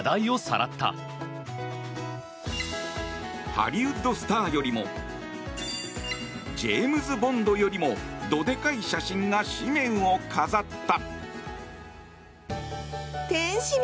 ハリウッドスターよりもジェームズ・ボンドよりもどでかい写真が紙面を飾った。